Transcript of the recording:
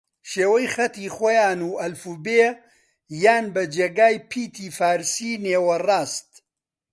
شێوەی خەتی خویان و ئەلفوبێ یان بە جێگای پیتی فارسی نێوەڕاست